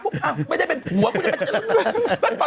อ้าวไม่ได้เป็นหัวกูจะไป